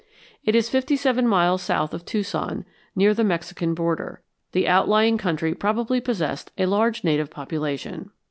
It is fifty seven miles south of Tucson, near the Mexican border. The outlying country probably possessed a large native population.